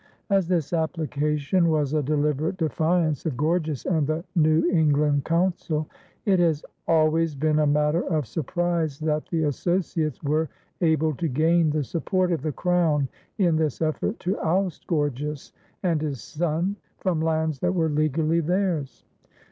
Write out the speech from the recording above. As this application was a deliberate defiance of Gorges and the New England Council, it has always been a matter of surprise that the associates were able to gain the support of the Crown in this effort to oust Gorges and his son from lands that were legally theirs.